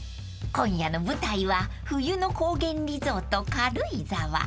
［今夜の舞台は冬の高原リゾート軽井沢］